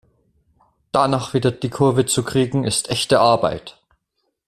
Danach wieder die Kurve zu kriegen ist echte Arbeit!